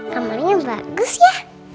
kamarnya bagus ya